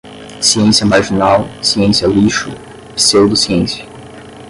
ciência marginal, ciência lixo, pseudociência